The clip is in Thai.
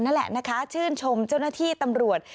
นั่นแหละนะคะชื่นชมเจ้าหน้าที่ตำรวจ